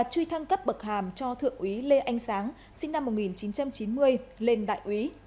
truy thăng cấp bậc hàm cho thượng úy lê anh sáng sinh năm một nghìn chín trăm chín mươi lên đại úy